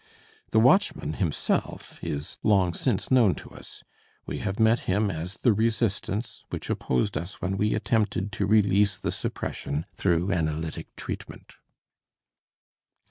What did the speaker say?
The watchman himself is long since known to us; we have met him as the resistance which opposed us when we attempted to release the suppression through analytic treatment.